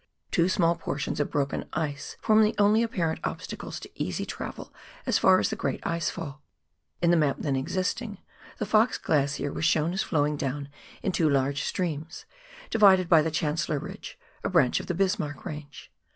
Two small portions of broken ice form the only apparent ob stacles to easy travelling as far as the great ice fall. In the map then existing the Fox Glacier was shown as flowing down in two large streams, divided by the Chancellor Ridge, a branch of the Bismarck Range.